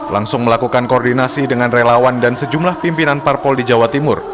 langsung melakukan koordinasi dengan relawan dan sejumlah pimpinan parpol di jawa timur